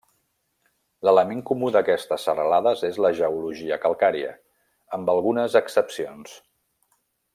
L'element comú d'aquestes serralades és la geologia calcària, amb algunes excepcions.